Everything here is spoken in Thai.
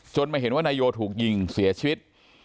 มาเห็นว่านายโยถูกยิงเสียชีวิต